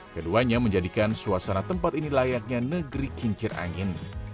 keduanya menjadikan suasana tempat ini layaknya negeri kincir angin